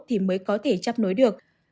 thì mới có thể chấp nối được